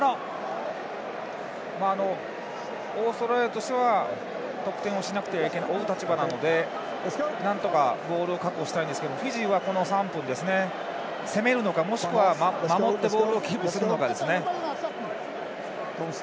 オーストラリアとしては得点をしなければいけない追う立場なのでなんとかボールを確保したいんですがフィジーはこの３分攻めるのか、もしくは守ってボールをキープするのかですね。